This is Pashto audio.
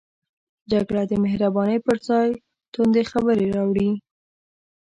جګړه د مهربانۍ پر ځای توندې خبرې راوړي